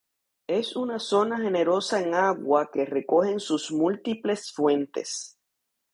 Es una zona generosa en agua que recogen sus múltiples fuentes.